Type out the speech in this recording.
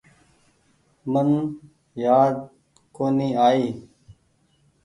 من يآد ڪونيٚ آئي۔